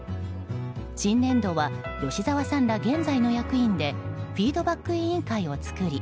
新年度は吉澤さんら現在の役員でフィードバック委員会を作り